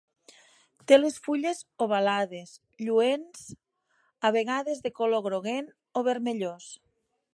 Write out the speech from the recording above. Té les fulles ovalades, lluents, a vegades de color groguenc o vermellós.